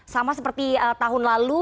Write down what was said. sama seperti tahun lalu